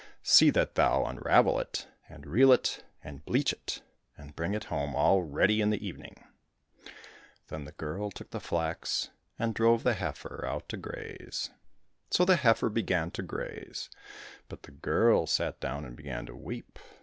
See that thou unravel it, and reel it, and bleach it, and bring it home all ready in the evening !" Then the girl took the flax and drove the heifer out to graze. So the heifer began to graze, but the girl sat down and began to weep.